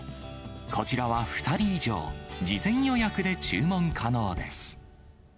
こちらは２人以上、事前予約で注文可能です。